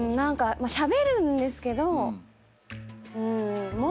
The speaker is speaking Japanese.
しゃべるんですけど。